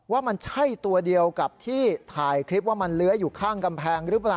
ว่ามันใช่ตัวเดียวกับที่ถ่ายคลิปว่ามันเลื้อยอยู่ข้างกำแพงหรือเปล่า